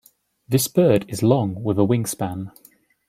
This bird is long with a wingspan.